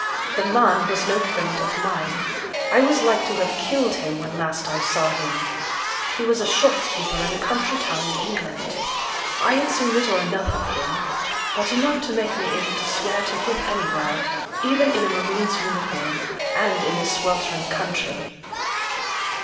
'The man was no friend of mine; I was like to have killed him when last I saw him. He was a shopkeeper in a country town in England. I had seen little enough of him; but enough to make me able to swear to him anywhere, even in a marine's uniform, and in this sweltering country.'